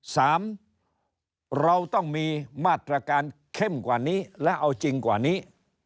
สามเราต้องมีมาตรการเข้มกว่านี้และเอาจริงกว่านี้